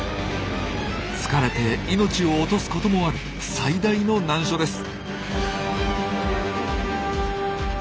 疲れて命を落とすこともある最大の難所です。